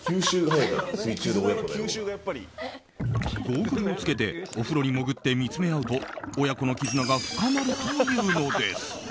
ゴーグルをつけてお風呂に潜って見つめ合うと親子の絆が深まるというのです。